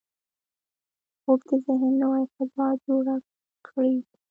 خوب د ذهن نوې فضا جوړه کړي